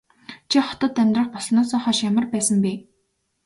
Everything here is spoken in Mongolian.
Чи хотод амьдрах болсноосоо хойш ямар байсан бэ?